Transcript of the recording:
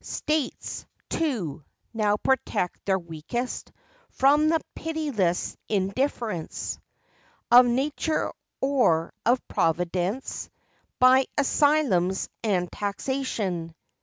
States, too, now protect their weakest From the pitiless indifference Of nature or of Providence By asylums and taxation.